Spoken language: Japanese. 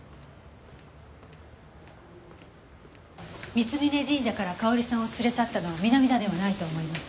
三峯神社から香織さんを連れ去ったのは南田ではないと思います。